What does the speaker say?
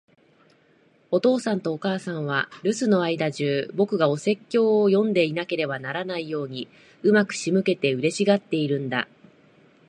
お父さんとお母さんは、留守の間じゅう、僕がお説教を読んでいなければならないように上手く仕向けて、嬉しがっているんだ。